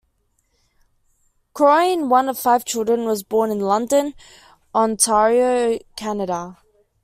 Cronyn, one of five children, was born in London, Ontario, Canada.